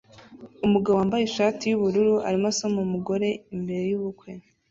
Umugabo wambaye ishati yubururu arimo asoma umugore imbere yubukwe